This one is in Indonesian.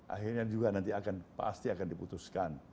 akhirnya juga pasti akan diputuskan